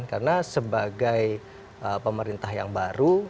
karena sebagai pemerintah yang baru